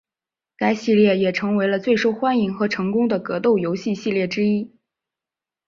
该系列也成为了最受欢迎和成功的格斗游戏系列之一。